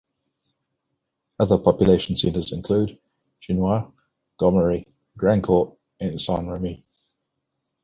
Other population centers include: Chenois, Gomery, Grandcourt, and Saint-Remy.